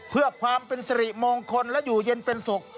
เพื่อความเป็นสิริมงคลและอยู่เย็นเป็นสุข